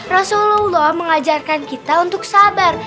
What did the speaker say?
rasulullah mengajarkan kita untuk sabar